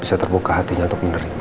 bisa terbuka hatinya untuk menerima